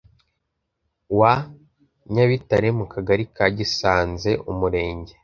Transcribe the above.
wa nyabitare mu kagali ka gisanze umurenge